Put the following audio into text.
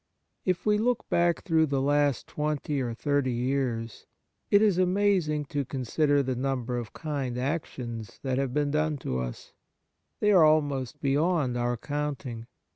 If we look back through the last twenty or thirty years, it is amazing to con sider the number of kind actions that have been done to us ; they are almost beyond our counting.